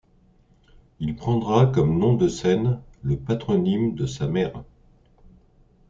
Il prendra comme nom de scène, le patronyme de sa mère.